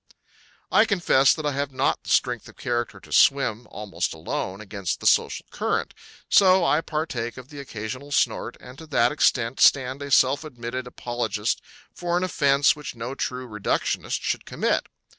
I confess that I have not the strength of character to swim, almost alone, against the social current. So I partake of the occasional snort and to that extent stand a self admitted apologist for an offense which no true reductionist should commit.